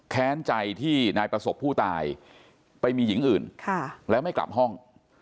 แค้นใจที่นายประสบผู้ตายไปมีหญิงอื่นแล้วไม่กลับห้อง